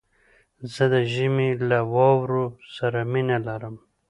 زه د ژمي له واورو سره مينه لرم